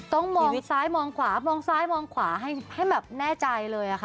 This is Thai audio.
ต้องมองซ้ายมองขวามองซ้ายมองขวาให้แบบแน่ใจเลยค่ะ